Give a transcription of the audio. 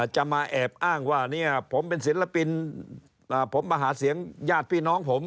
จะมาแอบอ้างว่าผมเป็นศิลปินผมมาหาเสียงญาติพี่น้องผม